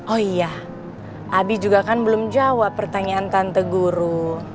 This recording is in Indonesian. oh iya abi juga kan belum jawab pertanyaan tante guru